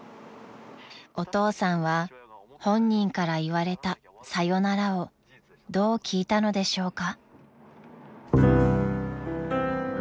［お父さんは本人から言われた「さよなら」をどう聞いたのでしょうか？］